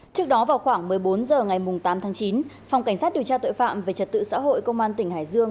trước đó vào khoảng một mươi bốn h ngày tám tháng chín phòng cảnh sát điều tra tội phạm về trật tự xã hội công an tỉnh hải dương